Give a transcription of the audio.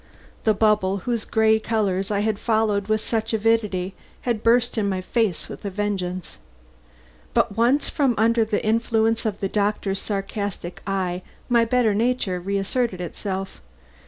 The bubble whose gay colors I had followed with such avidity had burst in my face with a vengeance. But once from under the influence of the doctor's sarcastic eye, my better nature reasserted itself.